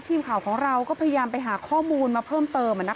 ทีมข่าวของเราก็พยายามไปหาข้อมูลมาเพิ่มเติม